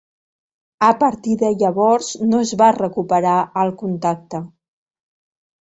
A partir de llavors no es va recuperar el contacte.